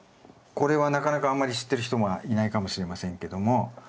これはなかなかあんまり知ってる人がいないかもしれませんけども。